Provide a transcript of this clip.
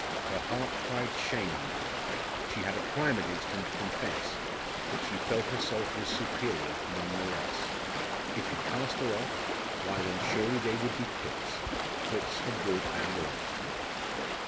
Her heart cried shame on him. She had a crime against him to confess but she felt herself his superior none the less. If he cast her off why then surely they would be quits, quits for good and all.